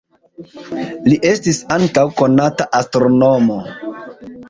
Li estis ankaŭ konata astronomo.